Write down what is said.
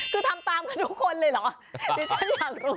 คือทำตามกันทุกคนเลยเหรอดิฉันอยากรู้